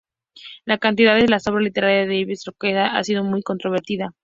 La calidad de la obra literaria de Ives Roqueta ha sido muy controvertida.